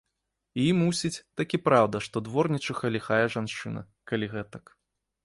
І, мусіць, такі праўда, што дворнічыха ліхая жанчына, калі гэтак.